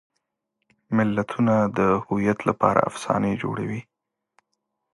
ملتونه د هویت لپاره افسانې جوړوي.